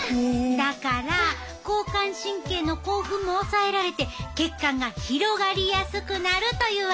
だから交感神経の興奮も抑えられて血管が広がりやすくなるというわけ。